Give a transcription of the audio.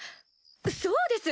そうです！